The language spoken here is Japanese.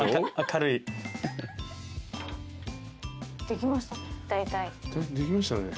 できましたね。